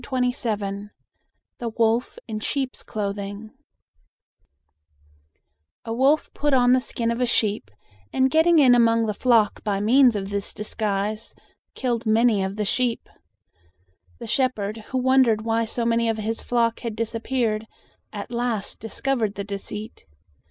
THE WOLF IN SHEEP'S CLOTHING A wolf put on the skin of a sheep, and getting in among the flock by means of this disguise, killed many of the sheep. The shepherd, who wondered why so many of his flock had disappeared, at last discovered the deceit.